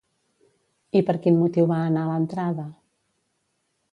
I per quin motiu va anar a l'entrada?